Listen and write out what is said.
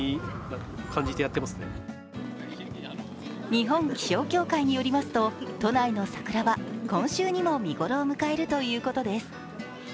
日本気象協会によりますと都内の桜は今週にも見ごろを迎えるということです。